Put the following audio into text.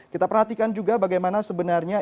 kita perhatikan juga bagaimana sebenarnya